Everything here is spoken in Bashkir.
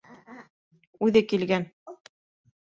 Үҙе килгән.